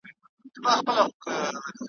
خو اسیر سي په پنجو کي د بازانو ,